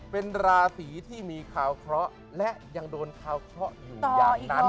เป็นราศีที่มีข่าวเคราะห์และยังโดนคาวเคราะห์อยู่อย่างนั้น